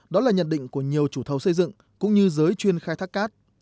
đó là nhận định của nhiều chủ thầu xây dựng cũng như giới chuyên khai thác cát